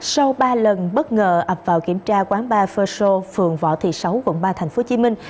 sau ba lần bất ngờ ập vào kiểm tra quán bar first show phường võ thị sáu quận ba tp hồ chí minh